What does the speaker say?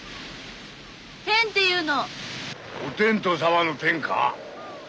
お天道様の天か？